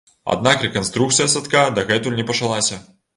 Аднак рэканструкцыя садка дагэтуль не пачалася.